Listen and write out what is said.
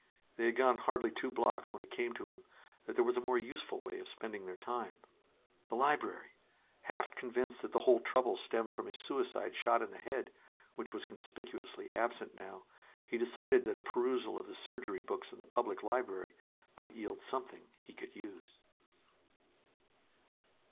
They had gone hardly two blocks when it came to him that there was a more useful way of spending their time. The library! Half convinced that the whole trouble stemmed from his suicide shot in the head which was conspicuously absent now he decided that a perusal of the surgery books in the public library might yield something he could use.